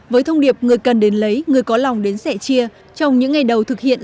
với thông điệp người cần đến lấy người có lòng đến sẽ chia trong những ngày đầu thực hiện